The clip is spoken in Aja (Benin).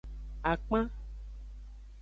Akpan.